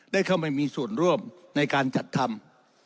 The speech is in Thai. ได้เข้ามามีส่วนร่วมในการจัดทำ